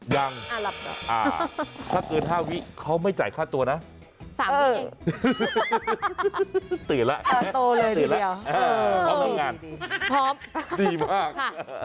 ยังถ้าเกิด๕วิติเขาไม่จ่ายค่าตัวนะตื่นแล้วตื่นแล้วพร้อมทำงานดีมาก